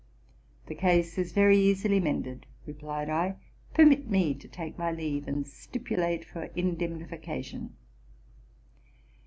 '* The case is very easily mended,'' replied I: '* permit me to take my leave, and stipulate for indemni fication.